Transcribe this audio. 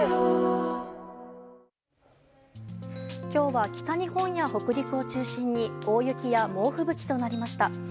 今日は、北日本や北陸を中心に大雪や猛吹雪となりました。